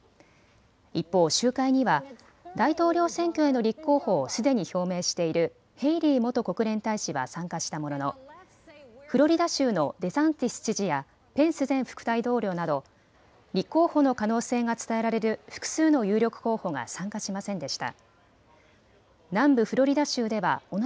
一方、集会には大統領選挙への立候補をすでに表明しているヘイリー元国連大使は参加したもののフロリダ州のデサンティス知事やペンス前副大統領など立候補の可能性が伝えられる複数の有力候補が参加しませんでした。